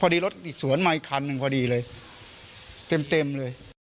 พอดีรถสวนมาอีกคันหนึ่งพอดีเลยเต็มเลย